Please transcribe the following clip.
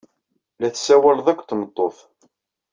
La tessawaleḍ akked tmeṭṭut.